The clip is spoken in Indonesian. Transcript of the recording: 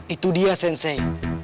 itu dia sensei